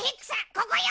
ここよ。